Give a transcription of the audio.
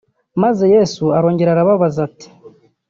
Maze Yasu arongera arababaza ati